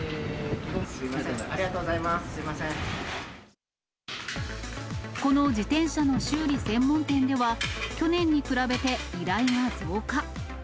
ありがとうございます、この自転車の修理専門店では、去年に比べて依頼が増加。